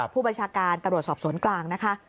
ผู้บัญชาการตำรวจสอบสวนกลางนะคะ